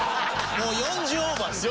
もう４０オーバーですよ。